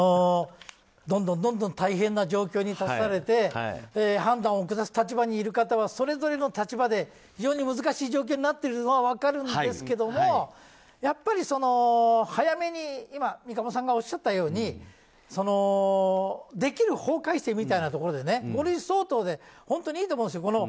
どんどん大変な状況に立たされて判断を下す立場にいる方はそれぞれの立場で非常に難しい状況になってるのは分かるんですけどもやっぱり早めに今三鴨さんがおっしゃったようにできる法改正みたいなところで五類相当で本当にいいと思うんですよ。